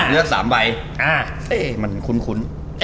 เลือก๓ใบมันคุ้น